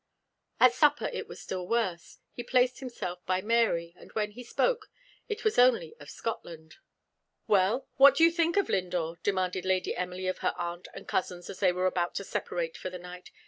At supper it was still worse. He placed himself by Mary, and when he spoke, it was only of Scotland. "Well what do you think of Lindore?" demanded Lady Emily of her aunt and cousins, as they were about to separate for the night.